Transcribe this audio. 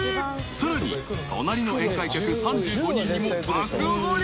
［さらに隣の宴会客３５人にも爆おごり］